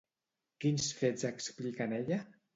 Quins fets explica en ella?